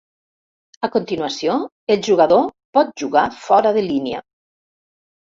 A continuació, el jugador pot jugar fora de línia.